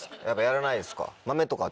やっぱやらないですか。